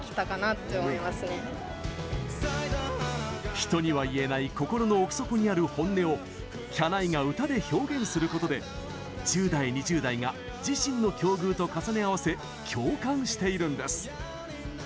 人には言えない心の奥底にある本音をきゃないが歌で表現することで１０代、２０代が自身の境遇と重ね合わせ、共感しているんです。